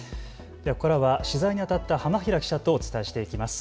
ここからは取材にあたった浜平記者とお伝えしていきます。